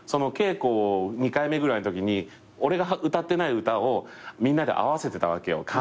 稽古２回目ぐらいのときに俺が歌ってない歌をみんなで合わせてたわけよ。